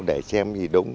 chúng ta phải làm gì đúng